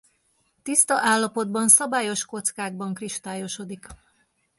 Tiszta állapotban szabályos kockákban kristályosodik.